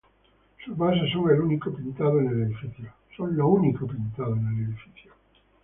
Sus bases son lo único pintado en el edificio.